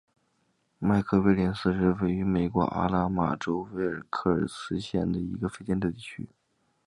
麦克威廉斯是位于美国阿拉巴马州威尔科克斯县的一个非建制地区。